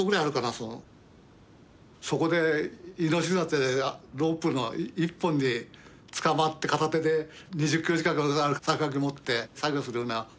そのそこで命綱ってロープの１本でつかまって片手で２０キロ近くある削岩機持って作業するような。